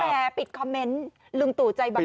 แต่ปิดคอมเมนต์ลุงตู่ใจบาง